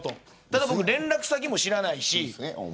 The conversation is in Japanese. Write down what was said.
ただ連絡先も知らないし。